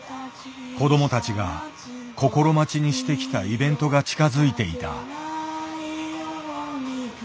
子どもたちが心待ちにしてきたイベントが近づいていた。